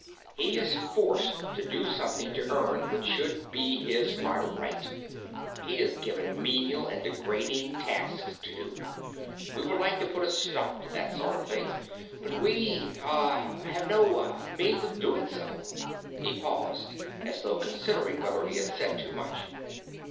He is forced to do something to earn what should be his by right; he is given menial and degrading tasks to do. We would like to put a stop to that sort of thing, but we ... ah ... have no ... ah ... means of doing so." He paused, as though considering whether he had said too much.